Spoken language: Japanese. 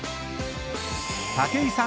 ［武井さん